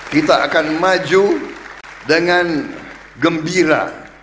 kita akan maju dengan gembira